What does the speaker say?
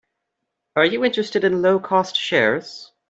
Are you interested in low-cost shares?